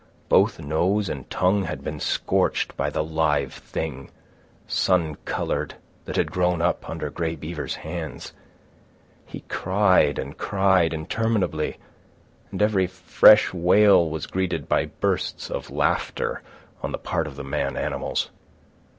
Both nose and tongue had been scorched by the live thing, sun coloured, that had grown up under Grey Beaver's hands. He cried and cried interminably, and every fresh wail was greeted by bursts of laughter on the part of the man animals.